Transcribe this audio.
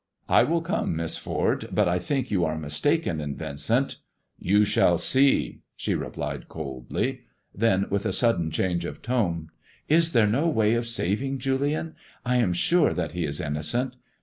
*^ I will come, Miss Ford, but I think you are mistaken in Yincent.'' You shall see," she replied coldly. Then,.with a sudden change of tone, " Is there no way of saving Julian ? I am sure that he is innocent.